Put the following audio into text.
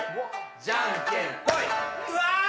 じゃんけんぽい。